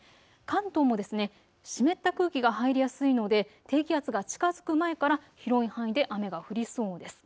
関東も湿った空気が入りやすいので、低気圧が近づく前から広い範囲で雨が降りそうです。